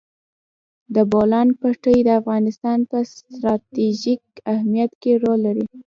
د بولان پټي د افغانستان په ستراتیژیک اهمیت کې رول لري.